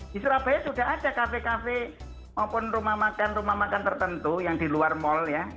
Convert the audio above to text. di surabaya sudah ada kafe kafe maupun rumah makan rumah makan tertentu yang di luar mal ya